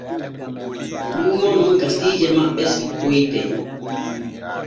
Luumo non gasiije maɓɓe sippoyte.